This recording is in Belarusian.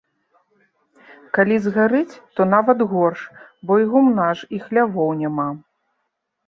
Калі згарыць, то нават горш, бо і гумна ж і хлявоў няма.